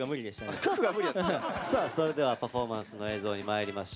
さあそれではパフォーマンスの映像にまいりましょう。